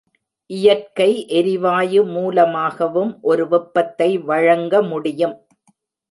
இயற்கை எரிவாயு மூலமாகவும் ஒரு வெப்பத்தை வழங்க முடியும்.